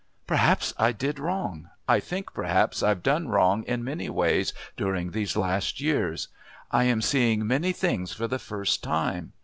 "Perhaps I did wrong. I think perhaps I've done wrong in many ways during these last years. I am seeing many things for the first time.